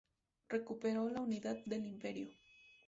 Recuperó la unidad del imperio.